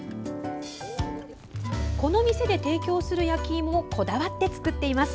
この店で提供する焼きいもをこだわって作っています。